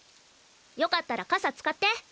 よかったら傘使って。